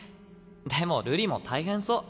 でも瑠璃も大変そう。